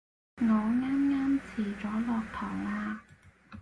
我啱啱遲咗落堂啊